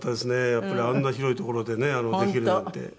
やっぱりあんな広い所でねできるなんて。